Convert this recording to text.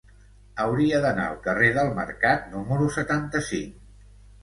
Hauria d'anar al carrer del Mercat número setanta-cinc.